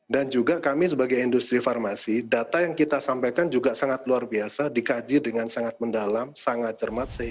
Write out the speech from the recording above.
dan juga kami sebagai industri farmasi data yang kita sampaikan juga sangat luar biasa dikaji dengan sangat mendalam sangat cermat